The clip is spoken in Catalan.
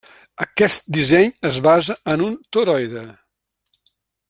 Aquest disseny es basa en un toroide.